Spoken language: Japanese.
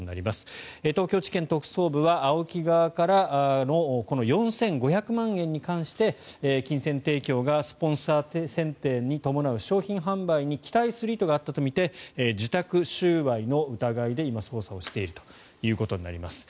東京地検特捜部はＡＯＫＩ側からのこの４５００万円に関して金銭提供がスポンサー選定に伴う商品販売に期待する意図があったとみて受託収賄の疑いで今、捜査をしているということになります。